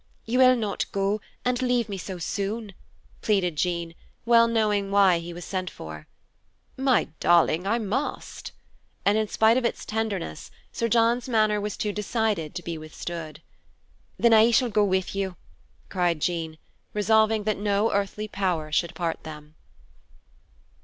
"You will not go and leave me so soon?" pleaded Jean, well knowing why he was sent for. "My darling, I must." And in spite of its tenderness, Sir John's manner was too decided to be withstood. "Then I shall go with you," cried Jean, resolving that no earthly power should part them.